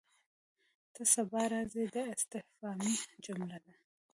ته سبا راځې؟ دا استفهامي جمله ده.